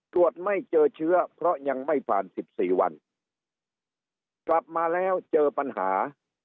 ตรวจไม่เจอเชื้อเพราะยังไม่ผ่านสิบสี่วันกลับมาแล้วเจอปัญหา